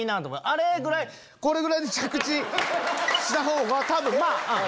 あれぐらいこれぐらいで着地したほうが多分まぁ。